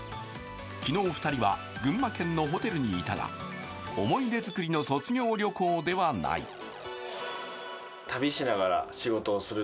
昨日２人は群馬県のホテルにいたが思い出作りの卒業旅行ではない。